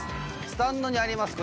スタンドにあります